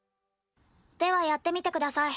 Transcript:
ではやってみてください。